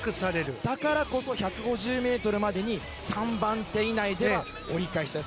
だからこそ、１５０ｍまでに３番手以内では折り返したい。